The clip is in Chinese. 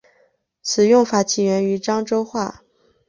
此用法起源于漳州话。